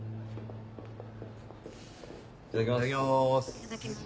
いただきます。